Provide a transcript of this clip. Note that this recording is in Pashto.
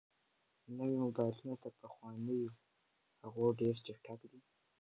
نوي موبایلونه تر پخوانیو هغو ډېر چټک دي.